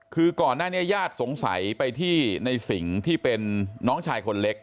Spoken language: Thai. คือก่อนหน้านี้ญาติสงสัยไปที่ในสิงที่เป็นน้องชายคนเล็ก